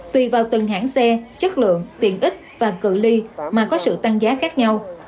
tùy vào từng hãng xe chất lượng tiện ích và cự li mà có sự tăng giá khác nhau